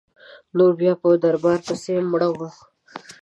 نور بیا په دربار پسي مړه وه.